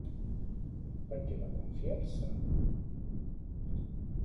Per què va confiar-se?